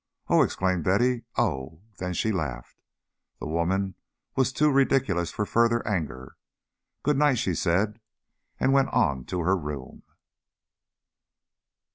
"Oh!" exclaimed Betty. "Oh!" Then she laughed. The woman was too ridiculous for further anger. "Good night," she said, and went on to her room.